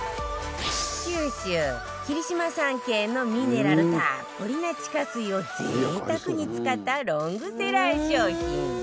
九州霧島山系のミネラルたっぷりな地下水を贅沢に使ったロングセラー商品